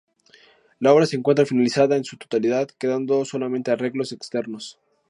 La obra se encuentra finalizada en su totalidad, quedando solamente arreglos externos.